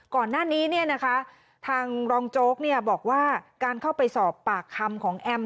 ก่อนหน้านี้ทางรองโจ๊กบอกว่าการเข้าไปสอบปากคำของแอม